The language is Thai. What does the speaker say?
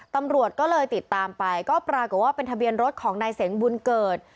ตำรวจก็เลยติดตามไปก็ปรากฏว่าเป็นทะเบียนรถของนายเสงบุญเกิด